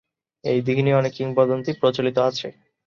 এই ‘দীঘি’ নিয়ে অনেক কিংবদন্তি প্রচলিত আছে।